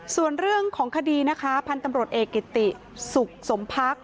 ส่วนเรื่องของคดีนะคะพันธุ์ตำรวจเอกกิติสุขสมพักษ